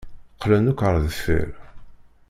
Qqlen akk ar deffir.